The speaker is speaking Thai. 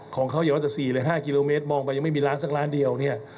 ของเขาแต่๔๕กิโลเมตรอันมองไปยังไม่มีล้านสักล้านเดียว